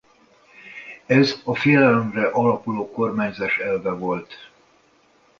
Ez a félelemre alapuló kormányzás elve volt.